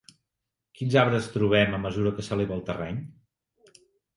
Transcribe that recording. Quins arbres trobem a mesura que s'eleva el terreny?